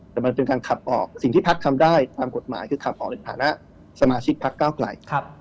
แต่มันเป็นการขับออกสิ่งที่พักทำได้ตามกฎหมายคือขับออกในฐานะสมาชิกพักเก้าไกล